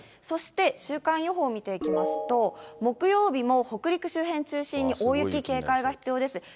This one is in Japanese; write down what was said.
そして、週間予報を見ていきますと、木曜日も北陸周辺中心に大雪に警戒が必要です。